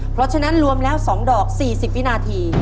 เพราะฉะนั้นรวมแล้ว๒ดอก๔๐วินาที